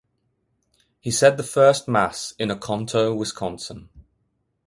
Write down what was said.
He said the first Mass in Oconto, Wisconsin.